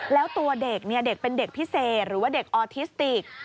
แล้วตัวเด็กเด็กเป็นเด็กพิเศษหรือว่าเด็กออทิสติก